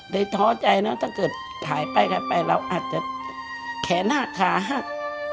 ท้อใจนะถ้าเกิดขายไปขายไปเราอาจจะแขนหักขาหัก